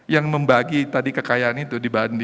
yang membagi tadi kekayaan itu